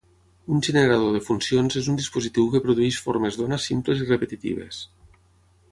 Un generador de funcions és un dispositiu que produeix formes d'ona simples i repetitives.